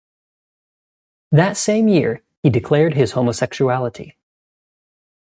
That same year, he declared his homosexuality.